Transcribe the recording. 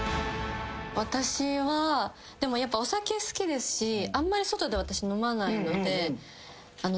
私はでもやっぱお酒好きですしあんまり外で私飲まないので。